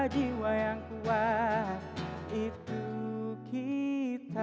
jiwa yang kuat itu kita